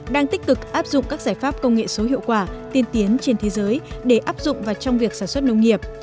đang tích cực áp dụng các giải pháp công nghệ số hiệu quả tiên tiến trên thế giới để áp dụng và trong việc sản xuất nông nghiệp